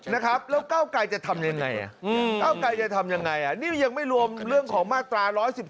แล้วก้าวไกลจะทำยังไงนี่ยังไม่รวมเรื่องของมาตรา๑๑๒